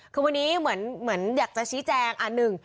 คือวันนี้เหมือนอยากจะชี้แจงอันหนึ่ง